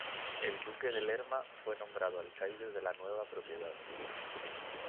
El duque de Lerma fue nombrado alcaide de la nueva propiedad.